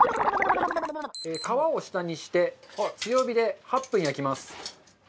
皮を下にして強火で８分焼きます。